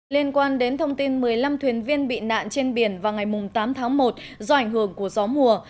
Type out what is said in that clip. liên quan đến thông tin một mươi năm thuyền viên bị nạn trên biển vào ngày tám tháng một do ảnh hưởng của gió mùa